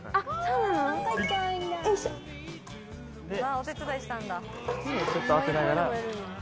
お手伝いしたんだ。